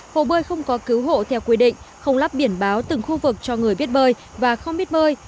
hồ bơi không có cứu hộ theo quy định không lắp biển báo từng khu vực cho người biết bơi và không biết bơi